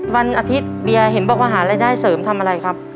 วันอาทิตย์เบียร์เห็นบอกว่าหารายได้เสริมทำอะไรครับ